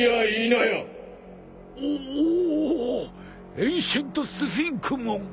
エンシェントスフィンクモン！